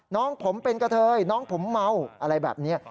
น้องผมเป็นกะเทยน้องผมเมาอะไรแบบนี้